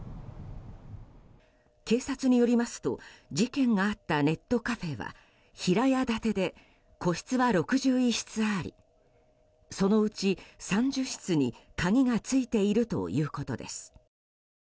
警察によりますと事件があったネットカフェは平屋建てで、個室は６１室ありそのうち３０室に鍵がついているということです。